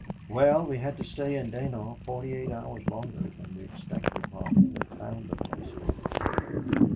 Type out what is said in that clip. Well, we had to stay in Dinant forty eight hours longer than we'd expected while Henry found a place for them.